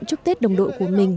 chúc tết đồng đội của mình